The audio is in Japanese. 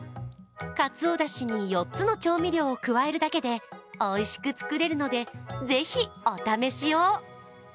かつおだしに４つの調味料を加えるだけでおいしく作れるのでぜひお試しを。